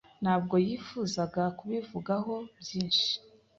Ntabwo yifuzaga kubivugaho byinshi.